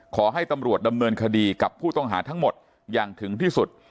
ขอให้ตำรวจดำเนินคดีกับผู้ต้องหาทั้งหมดอย่างถึงที่สุด